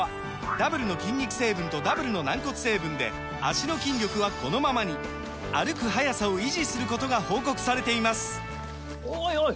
ダブルの筋肉成分とダブルの軟骨成分で脚の筋力はこのままに歩く速さを維持することが報告されていますおいおい！